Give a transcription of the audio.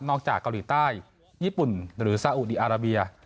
จากเกาหลีใต้ญี่ปุ่นหรือซาอุดีอาราเบีย